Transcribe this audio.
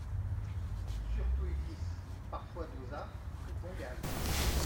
Surtout idlis, parfois dosa ou pongal.